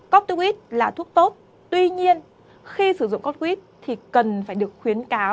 corticoid là thuốc tốt tuy nhiên khi sử dụng corticoid thì cần phải được khuyến cáo